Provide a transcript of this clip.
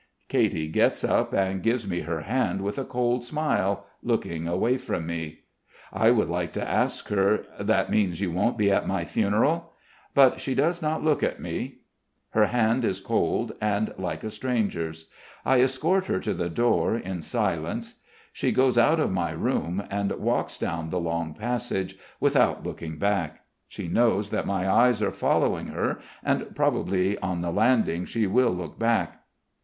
Katy gets up and gives me her hand with a cold smile, looking away from me. I would like to ask her: "That means you won't be at my funeral?" But she does not look at me; her hand is cold and like a stranger's. I escort her to the door in silenqe.... She goes out of my room and walks down the long passage, without looking back. She knows that my eyes are following her, and probably on the landing she will look back.